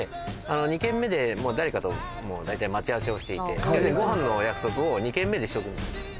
２軒目で誰かと大体待ち合わせをしていて要するにご飯のお約束を２軒目でしとくんです